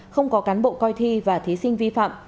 không có cán bộ coi thi và thí sinh vi phạm